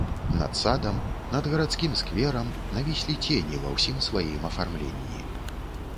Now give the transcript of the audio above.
Над садам, над гарадскім скверам навіслі цені ва ўсім сваім афармленні.